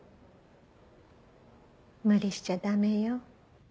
無理しちゃダメよ。